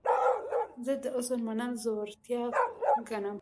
زه د عذر منل زړورتیا ګڼم.